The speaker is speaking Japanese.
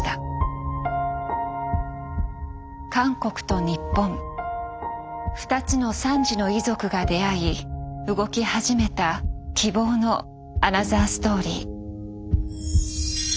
韓国と日本二つの惨事の遺族が出会い動き始めた希望のアナザーストーリー。